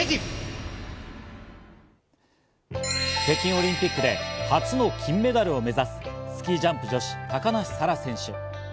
北京オリンピックで初の金メダルを目指すスキージャンプ女子、高梨沙羅選手。